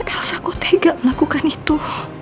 elsa kamu tidak bisa melakukan itu